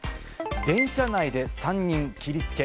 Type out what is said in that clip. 電車内で３人切りつけ。